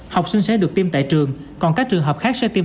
học sinh sẽ được tiêm tại trường còn các trường hợp khác sẽ tiêm